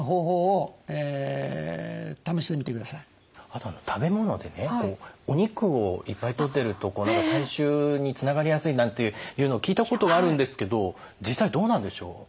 あと食べ物でお肉をいっぱいとってると体臭につながりやすいなんていうのを聞いたことがあるんですけど実際どうなんでしょう？